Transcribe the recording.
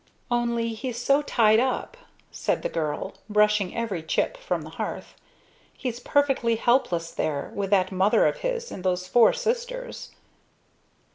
"Only he's so tied up!" said the girl, brushing every chip from the hearth. "He's perfectly helpless there, with that mother of his and those four sisters."